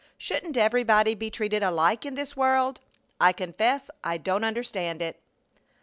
Shouldn't everybody be treated alike in this world? I confess I don't understand it."